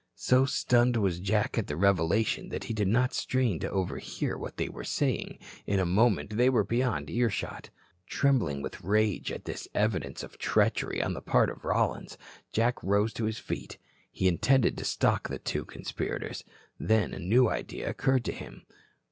So stunned was Jack at the revelation that he did not strain to overhear what they were saying. In a moment they were beyond earshot. Trembling with rage at this evidence of treachery on the part of Rollins, Jack rose to his feet. He intended to stalk the two conspirators. Then a new idea occurred to him.